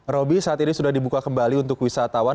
roby saat ini sudah dibuka kembali untuk wisatawan